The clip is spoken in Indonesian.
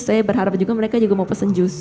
saya berharap juga mereka juga mau pesen jus